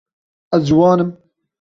Ez ciwan im.